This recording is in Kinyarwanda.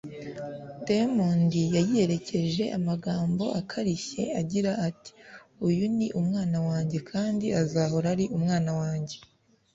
Diamond yayiyerekesheje amagambo akarishye agira ati “Uyu ni umwana wanjye…kandi azahora ari umwana wanjye